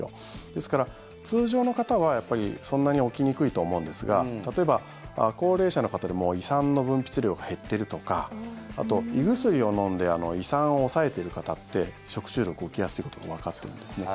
ですから通常の方は、そんなに起きにくいと思うんですが例えば高齢者の方で、もう胃酸の分泌量が減っているとかあと、胃薬を飲んで胃酸を抑えている方って食中毒、起きやすいことがわかっているんですね。